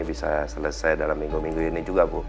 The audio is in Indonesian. bisa selesai dalam minggu minggu ini juga bu